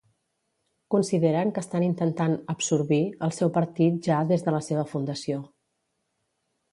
Consideren que estan intentant “absorbir” el seu partit ja des de la seva fundació.